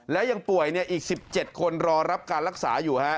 และยังป่วยอีก๑๗คนรอรับการรักษาอยู่